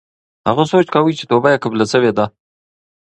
هغه سوچ کاوه چې توبه یې قبوله شوې ده.